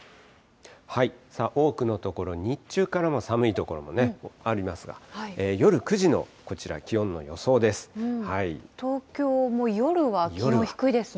多くの所、日中から寒い所もありますが、東京も夜は気温低いですね。